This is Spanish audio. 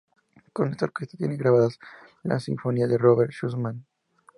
Con esta orquesta tiene grabadas las sinfonías de Robert Schumann.